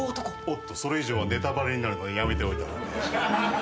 おっとそれ以上はネタバレになるのでやめていおいた方がいい。